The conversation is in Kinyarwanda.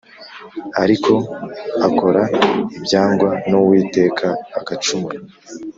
Ariko akora ibyangwa n’uwiteka agacumura